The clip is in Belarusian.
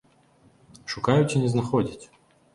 Шукаюць і не знаходзяць.